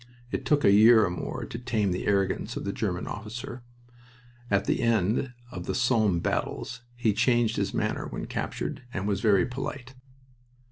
It took a year or more to tame the arrogance of the German officer. At the end of the Somme battles he changed his manner when captured, and was very polite.